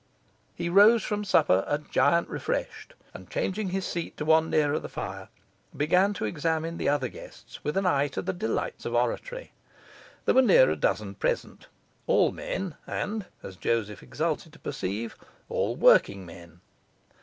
He rose from supper a giant refreshed; and, changing his seat to one nearer the fire, began to examine the other guests with an eye to the delights of oratory. There were near a dozen present, all men, and (as Joseph exulted to perceive) all working men.